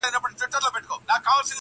o ړوند د خدايه څه غواړي، دوې سترگي.